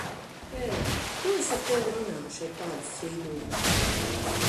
Ē! Ko es ar tevi runāšu, ar tādu strīdoņu?